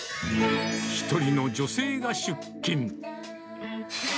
１人の女性が出勤。